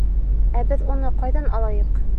— Ә беҙ уны ҡайҙан алайыҡ?